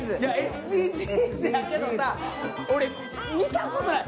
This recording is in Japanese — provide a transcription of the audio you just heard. ＳＤＧｓやけどさ、俺見たことない！